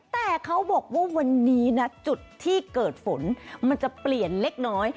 แต่เขาบอกว่าวันนี้นะจุดที่เกิดฝนมันจะเปลี่ยนเล็กน้อย